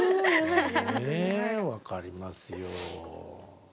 ねえ分かりますよ。